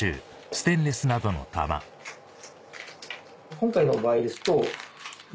今回の場合ですと。